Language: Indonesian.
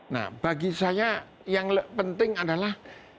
nah bagi saya yang penting adalah